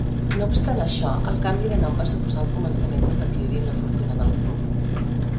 No obstant això, el canvi de nom va suposar el començament d'un declivi en la fortuna del club.